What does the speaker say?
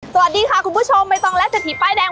สวัสดีค่ะคุณผู้ชมไม่ต้องและเศรษฐีป้ายแดง